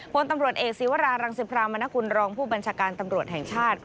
พลตำรวจเอกศีวรารังสิพรามนกุลรองผู้บัญชาการตำรวจแห่งชาติ